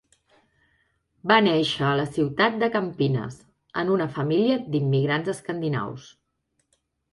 Va néixer a la ciutat de Campinas en una família d'immigrants escandinaus.